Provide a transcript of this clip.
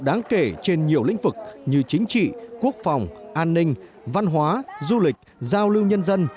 đáng kể trên nhiều lĩnh vực như chính trị quốc phòng an ninh văn hóa du lịch giao lưu nhân dân